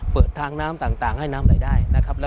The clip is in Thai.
เปิดทางน้ำต่างให้น้ำไหลได้นะครับ